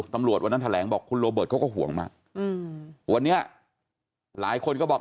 วันนั้นแถลงบอกคุณโรเบิร์ตเขาก็ห่วงมากอืมวันนี้หลายคนก็บอก